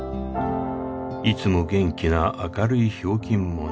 いつも元気な明るいひょうきん者